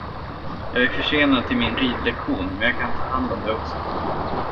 Jag är försenad till min ridlektion, men jag kan ta hand om det också.